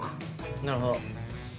なるほど。